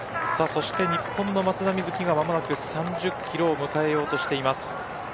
日本の松田瑞生が間もなく３０キロを迎えようとしています。